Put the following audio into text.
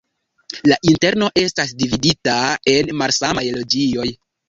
La interno estas dividita en malsamaj loĝioj.